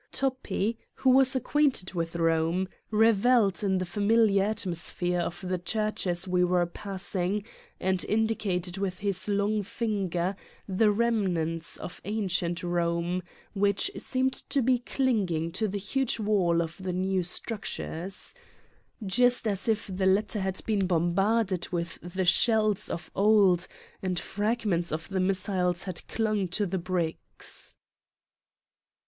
Toppi, who was acquainted with Eome, revelled in the familiar atmosphere of the churches we were pasing and indicated with his long finger the remnants of ancient Eome which seemed to be clinging to the huge wall of the new structures: just as if the latter had been bombarded with the shells of old and fragments of the missiles had clung to the bricks.